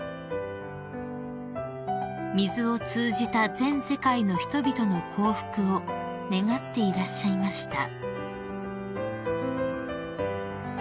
［水を通じた全世界の人々の幸福を願っていらっしゃいました］